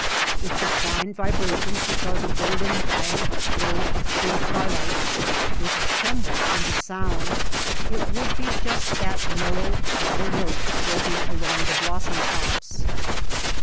If the fine vibrations which are the golden violet glow of spring twilights were to tremble into sound, it would be just that mellow double note breaking along the blossom tops.